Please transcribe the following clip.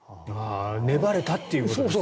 粘れたっていうことですか。